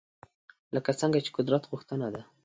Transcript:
لکه څنګه چې قدرت غوښتنه ده